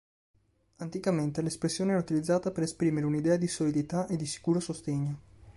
Anticamente, l'espressione era utilizzata per esprimere un'idea di solidità e di sicuro sostegno.